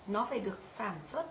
nó phải được sản xuất